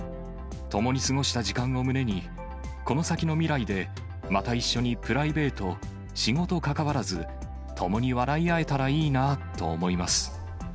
共に過ごした時間を胸に、この先の未来でまた一緒にプライベート、仕事かかわらず、共に笑い合えたらいいなぁっと思います。